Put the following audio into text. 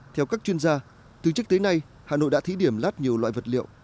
theo các chuyên gia từ trước tới nay hà nội đã thí điểm lát nhiều loại vật liệu